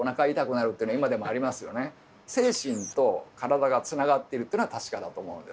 精神と体がつながってるというのは確かだと思うんです。